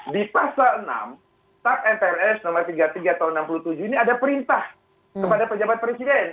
di pasal enam tap mprs nomor tiga puluh tiga tahun seribu sembilan ratus tujuh ini ada perintah kepada pejabat presiden